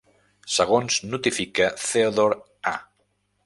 Segons notifica Theodore A.